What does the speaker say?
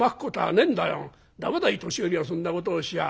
駄目だいい年寄りがそんなことをしちゃ。